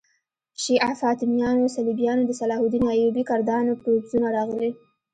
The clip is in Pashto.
شیعه فاطمیانو، صلیبیانو، د صلاح الدین ایوبي کردانو پوځونه راغلي.